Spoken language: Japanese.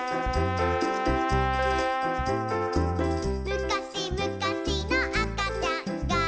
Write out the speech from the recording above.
「むかしむかしのあかちゃんが」